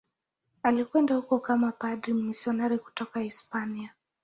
Alikwenda huko kama padri mmisionari kutoka Hispania.